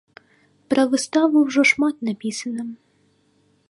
Пра выставу ўжо шмат напісана.